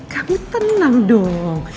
kamu tenang dong